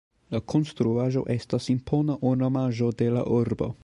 La konstruaĵo estas impona ornamaĵo de la urbo.